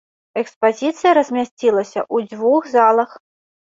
Экспазіцыя размясцілася ў дзвюх залах.